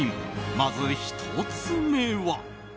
まず１つ目は。